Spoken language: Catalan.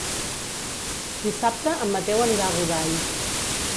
Dissabte en Mateu anirà a Godall.